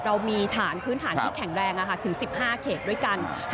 เรามีฐานพื้นฐานที่แข็งแรงถึง๑๕เขตด้วยกัน